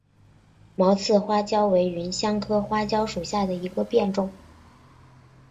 毛刺花椒为芸香科花椒属下的一个变种。